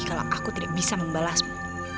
kalau aku tidak bisa membalasmu